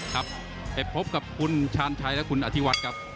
ครับไปพบกับคุณชาญชัยและคุณอธิวัฒน์ครับ